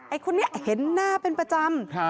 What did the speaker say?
คนนี้เห็นหน้าเป็นประจำ